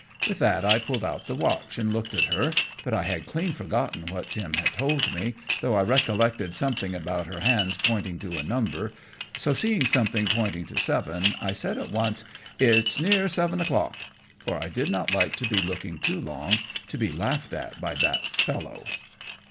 With that I pulled out the watch, and looked at her; but I had clean forgotten what Tim had told me, though I recollected something about her hands pointing to a number, so seeing something pointing to seven, I said at once, "It's near seven o'clock," for I did not like to be looking too long, to be laughed at by that fellow.